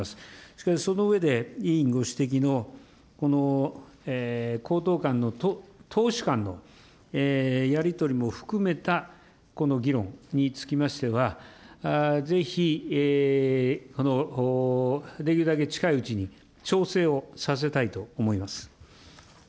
しかし、その上で、委員ご指摘のこのこうとう間の党首間のやり取りも含めたこの議論につきましては、ぜひできるだけ近いうちに調整をさせたいと思い